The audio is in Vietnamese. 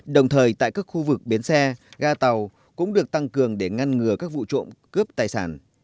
đồng thời tại các khu vực bến xe ga tàu cũng được tăng cường để ngăn ngừa các vụ trộm cướp tài sản